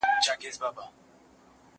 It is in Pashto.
زه اوږده وخت د کتابتون پاکوالی کوم!!